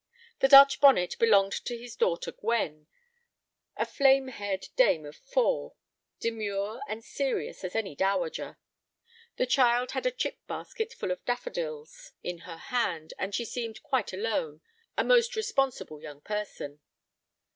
The Dutch bonnet belonged to his daughter Gwen, a flame haired dame of four, demure and serious as any dowager. The child had a chip basket full of daffodils in her hand, and she seemed quite alone, a most responsible young person.